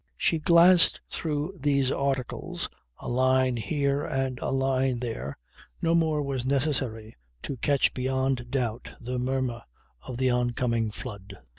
She glanced through these articles, a line here and a line there no more was necessary to catch beyond doubt the murmur of the oncoming flood.